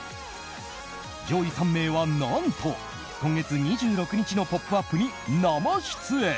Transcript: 上位３名は何と今月２６日の「ポップＵＰ！」に生出演。